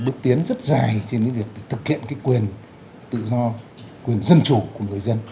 bước tiến rất dài trên việc để thực hiện quyền tự do quyền dân chủ của người dân